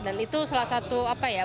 dan itu salah satu apa ya